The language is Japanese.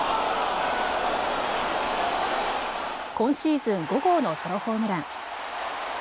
今シーズン５号のソロホームラン。